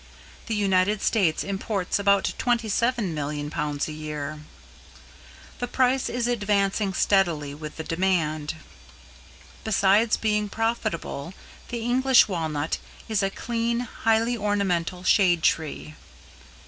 The United States imports about 27,000,000 pounds a year. The price is advancing steadily with the demand. Besides being profitable, the English Walnut is a clean, highly ornamental shade tree.